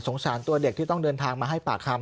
สารตัวเด็กที่ต้องเดินทางมาให้ปากคำ